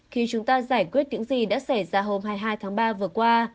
khi chúng ta giải quyết những gì đã xảy ra hôm hai mươi hai tháng ba vừa qua